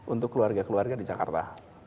untuk keluarga keluarga di jakarta